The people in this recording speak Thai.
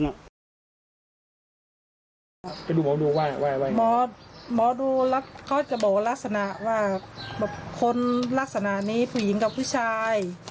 หมอดูเขาจะบอกลักษณะว่าคนลักษณะนี้ผู้หญิงกับผู้ชาย